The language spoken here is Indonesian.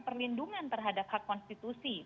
perlindungan terhadap hak konstitusi